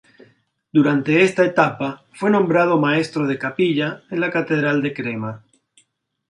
Durante esta etapa fue nombrado maestro de capilla en la catedral de Crema.